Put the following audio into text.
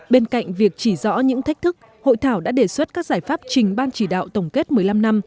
bên cạnh việc chỉ rõ những thách thức hội thảo đã đề xuất các giải pháp trình ban chỉ đạo tổng kết một mươi năm năm